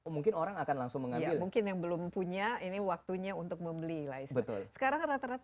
mungkin orang akan langsung mengambil mungkin yang belum punya ini waktunya untuk membeli live betul